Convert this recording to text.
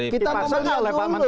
kita mau melihat dulu